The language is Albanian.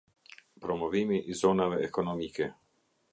Promovimi i zonave ekonomike.